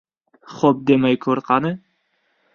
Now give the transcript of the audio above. — Xo‘p demay ko‘r qani!